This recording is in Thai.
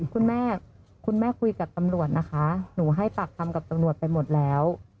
คุณแม่คุณแม่คุยกับตำรวจนะคะหนูให้ปากคำกับตำรวจไปหมดแล้ว